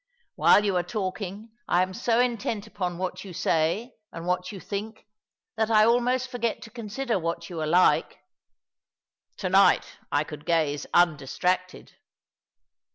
AVhile you are talking I am so intent upon what you say, and what you think, that I almost forget to consider what you are like. To night I could gaze undistracted."